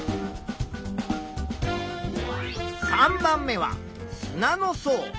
３番目は砂の層。